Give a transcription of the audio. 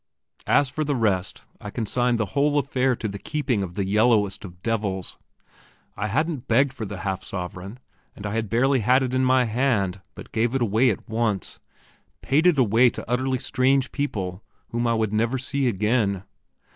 As for the rest, I consigned the whole affair to the keeping of the yellowest of devils. I hadn't begged for the half sovereign, and I had barely had it in my hand, but gave it away at once paid it away to utterly strange people whom I would never see again.